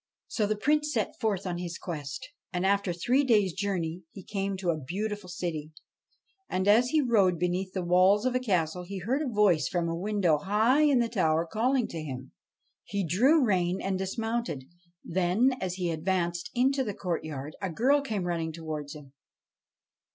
So the Prince set forth on his quest ; and after three days' journey, he came to a beautiful city. And, as he rode beneath the 108 BASHTCHELIK walls of a castle, he heard a voice from a window high in the tower, calling to him. He drew rein and dismounted ; then, as he advanced into the courtyard, a girl came running towards him.